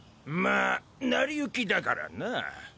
まあ成り行きだからな。